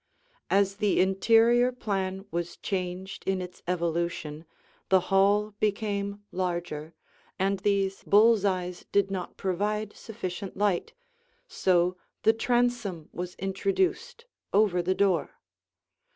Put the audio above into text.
As the interior plan was changed in its evolution, the hall became larger, and these bull's eyes did not provide sufficient light, so the transom was introduced over the door.